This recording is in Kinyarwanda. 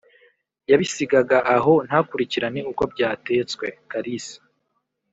yabisigaga aho ntakurikirane uko byatetswe. Karisa